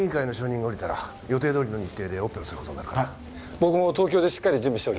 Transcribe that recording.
僕も東京でしっかり準備しておきます。